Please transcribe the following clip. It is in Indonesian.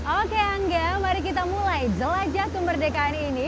oke angga mari kita mulai jelajah kemerdekaan ini